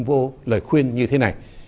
vô lời khuyên như thế này